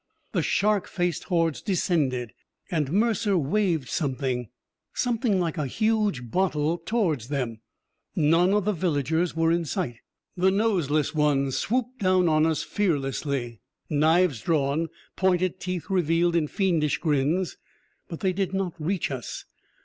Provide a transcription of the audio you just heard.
The shark faced hordes descended, and Mercer waved something, something like a huge bottle, towards them. None of the villagers were in sight. The noseless ones swooped down on us fearlessly, knives drawn, pointed teeth revealed in fiendish grins. But they did not reach us.